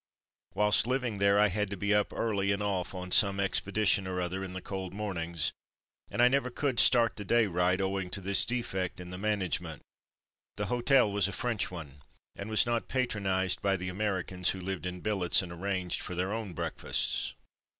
Whilst living there I had to be up early and off on some expedition or other in the cold mornings, and I never could start the day right owing to this defect in the management. The hotel was a French one, and was not patronized by the Americans, who lived in billets and arranged for their own breakfasts.